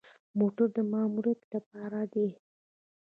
موټر د ماموریت لپاره دی